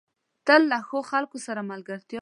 تل له ښو خلکو سره ملګرتيا کوه.